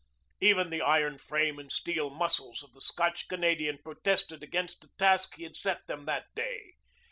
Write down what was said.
Even the iron frame and steel muscles of the Scotch Canadian protested against the task he had set them that day.